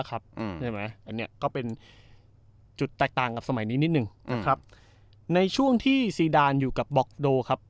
อันนี้ก็เป็นจุดแตกต่างกับสมัยนี้นิดนึงนะครับในช่วงที่ซีดานอยู่กับบล็อกโดครับ